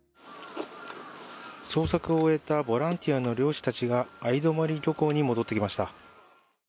捜索を終えたボランティアの漁師たちが相泊漁港に戻ってきました。